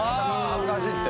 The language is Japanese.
恥ずかしいって。